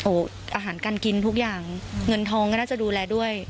โอ้โหอาหารการกินทุกอย่างเงินทองก็น่าจะดูแลด้วย